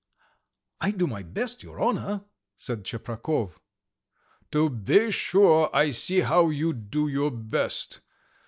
"I do my best, your honour," said Tcheprakov. "To be sure, I see how you do your best.